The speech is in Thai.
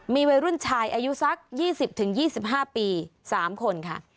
มีวัยรุ่นชายอายุสักยี่สิบถึงยี่สิบห้าปีสามคนค่ะ